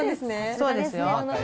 そうですよ。